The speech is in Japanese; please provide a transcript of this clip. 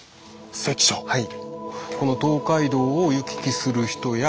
はい。